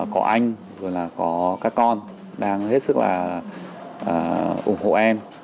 có anh rồi là có các con đang hết sức là ủng hộ em